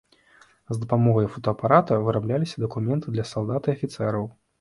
З дапамогай фотаапарата вырабляліся дакументы для салдат і афіцэраў.